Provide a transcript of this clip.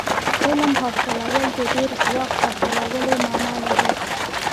علم حاصلول د ډېر ځواک حاصلولو معنا لري.